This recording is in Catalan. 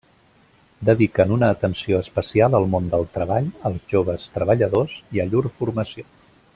Dediquen una atenció especial al món del treball, als joves treballadors i a llur formació.